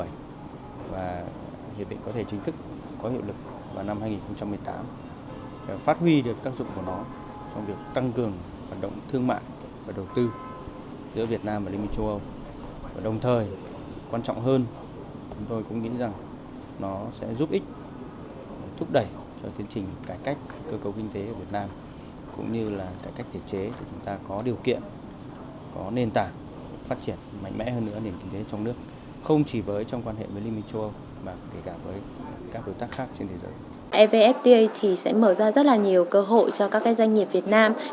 đây là một hiệp định thương mại tự do evfta đây là một hiệp định thương mại tự do evfta đây là một hiệp định thương mại tự do evfta đây là một hiệp định thương mại tự do evfta đây là một hiệp định thương mại tự do evfta đây là một hiệp định thương mại tự do evfta đây là một hiệp định thương mại tự do evfta đây là một hiệp định thương mại tự do evfta đây là một hiệp định thương mại tự do evfta đây là một hiệp định thương mại tự do evfta đây là một hiệp định thương mại tự do evfta đây là một hiệp định thương mại